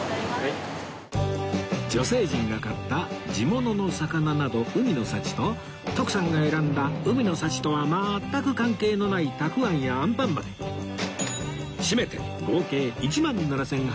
女性陣が買った地物の魚など海の幸と徳さんが選んだ海の幸とは全く関係のない沢庵やあんぱんまでしめて合計１万７８８９円